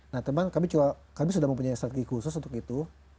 nah teman kami sudah mempunyai strategi khusus untuk itu